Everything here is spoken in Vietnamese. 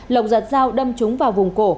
lộc giặt dao đâm trúng vào vùng cổ